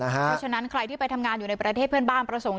เพราะฉะนั้นใครที่ไปทำงานอยู่ในประเทศเพื่อนบ้านประสงค์